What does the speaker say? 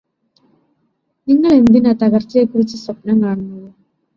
നിങ്ങള് എന്തിനാ തകർച്ചയെക്കുറിച്ച് സ്വപ്നം കാണുന്നത്